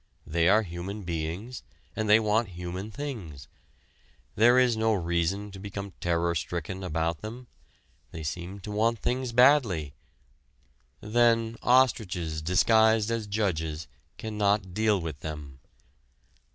They are human beings, and they want human things. There is no reason to become terror stricken about them. They seem to want things badly. Then ostriches disguised as judges cannot deal with them.